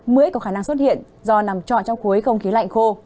mưa có khả năng xuất hiện do nằm trọn trong khối không khí lạnh khô